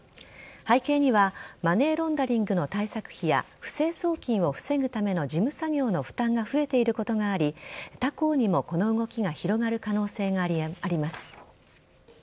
背景にはマネーロンダリングの対策費や不正送金を防ぐための事務作業の負担が増えていることがあり他行にも、この動きが広がる可能性があります。